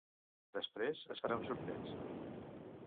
Després, es farà un sorteig.